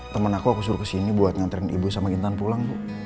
temen aku aku suruh kesini buat nganterin ibu sama intan pulang bu